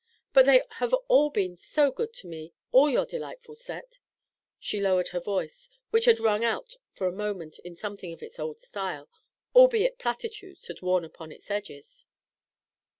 But they have all been so good to me all your delightful set." She lowered her voice, which had rung out for a moment in something of its old style, albeit platitudes had worn upon its edges.